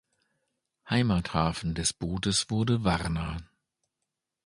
Heimathafen des Bootes wurde Warna.